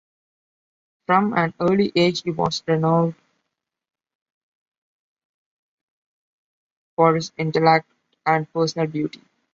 From an early age he was renowned for his intellect and personal beauty.